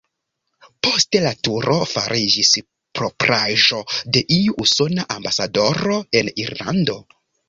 Poste la turo fariĝis propraĵo de iu usona ambasadoro en Irlando.